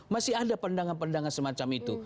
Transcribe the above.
masih ada pandangan pandangan semacam itu